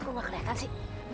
kok nggak kelihatan sih